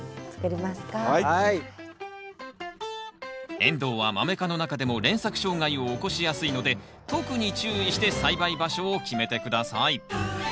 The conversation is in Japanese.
エンドウはマメ科の中でも連作障害を起こしやすいので特に注意して栽培場所を決めて下さい。